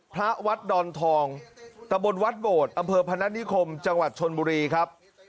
พระวัดดอนทองตะบนวัดโบดอำเภอพนัฐนิคมจังหวัดชนบุรีครับ